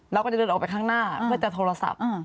เราก็จะเดินออกไปข้างหน้าเพื่อจะโทรศัพท์